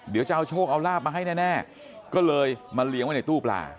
เดี๋ยวจะเอาโชคเอาลาบมาให้แน่ก็เลยมาเลี้ยงไว้ในตู้ปลา